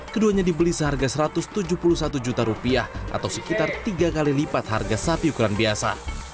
keduanya dibeli seharga satu ratus tujuh puluh satu juta rupiah atau sekitar tiga kali lipat harga sapi ukuran biasa